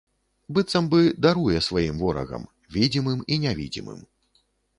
Быццам бы даруе сваім ворагам: відзімым і нявідзімым.